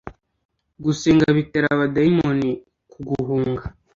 gusenga bitera abadayimoni kuguhunga